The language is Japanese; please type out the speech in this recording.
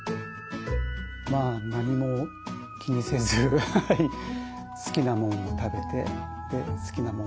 まあ何も気にせず好きなものを食べて好きなものを飲んで。